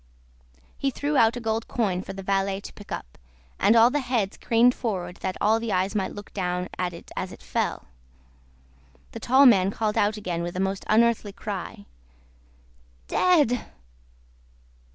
He threw out a gold coin for the valet to pick up, and all the heads craned forward that all the eyes might look down at it as it fell. The tall man called out again with a most unearthly cry, "Dead!"